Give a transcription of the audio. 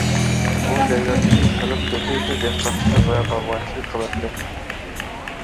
بۇ جايلاردىكى خەلق كۆپىنچە دېھقانچىلىق ۋە باغۋەنچىلىك قىلاتتى.